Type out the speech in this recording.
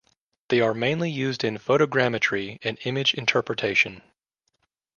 They are mainly used in photogrammetry and image interpretation.